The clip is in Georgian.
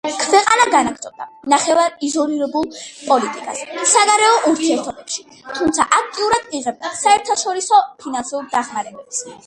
ქვეყანა განაგრძობდა ნახევრად იზოლირებულ პოლიტიკას საგარეო ურთიერთობებში, თუმცა აქტიურად იღებდა საერთაშორისო ფინანსურ დახმარებებს.